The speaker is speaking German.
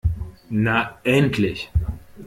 Na endlich!